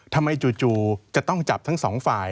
จู่จะต้องจับทั้งสองฝ่าย